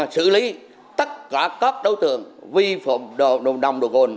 xử lý tất cả các đấu tường vi phạm nồng độ cồn